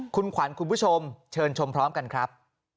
คุณขวัญคุณผู้ชมเชิญชมพร้อมกันครับ